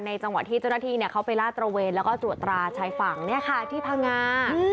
จังหวะที่เจ้าหน้าที่เขาไปลาดตระเวนแล้วก็ตรวจตราชายฝั่งเนี่ยค่ะที่พังงา